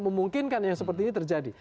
memungkinkan yang seperti ini terjadi